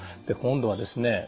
で今度はですね